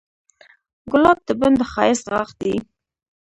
ګلاب د بڼ د ښایست غاښ دی.